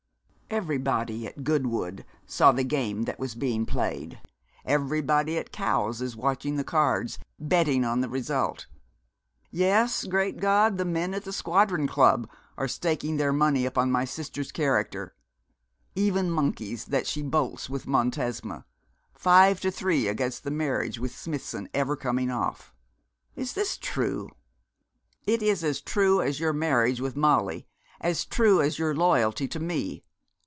Everybody at Goodwood saw the game that was being played, everybody at Cowes is watching the cards, betting on the result. Yes, great God, the men at the Squadron Club are staking their money upon my sister's character even monkeys that she bolts with Montesma five to three against the marriage with Smithson ever coming off.' 'Is this true?' 'It is as true as your marriage with Molly, as true as your loyalty to me.